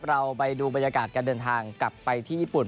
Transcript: เราไปดูบรรยากาศการเดินทางกลับไปที่ญี่ปุ่น